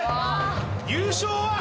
優勝は。